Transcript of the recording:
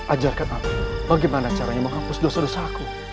ajarkan aku bagaimana caranya menghapus dosa dosa aku